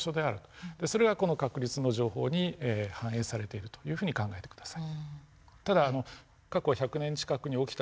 それがこの確率の情報に反映されているというふうに考えて下さい。